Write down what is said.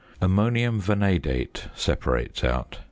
Ammonium vanadate separates out.